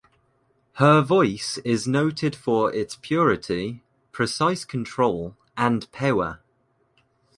Her voice is noted for its purity, precise control, and power.